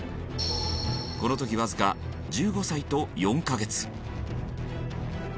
この時わずか１５歳と４カ月。